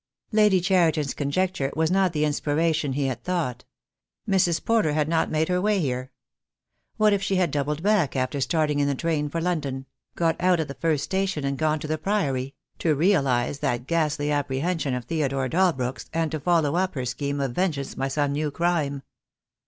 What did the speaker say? Lady Cheriton's conjecture was not the inspiration he had thought. Mrs. Porter had not made her way here. What if she had doubled back after starting in the train for London — got out at the first station and gone to the Priory — to realize that ghastly apprehension of Theodore Dalbrook's, and to follow up her scheme of vengeance by some new crime.